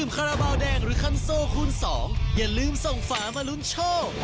กำส่งฝามารุนโชว์